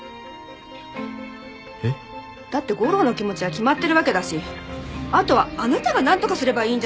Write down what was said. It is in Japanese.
えっ？だって吾良の気持ちは決まってるわけだしあとはあなたがなんとかすればいいんじゃないの？